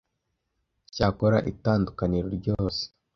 Cyakora itandukaniro ryose.